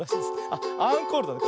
あっアンコールだね。